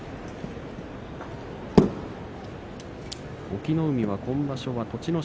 隠岐の海は今場所は栃ノ